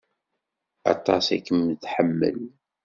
Aṭas i kem-tḥemmel.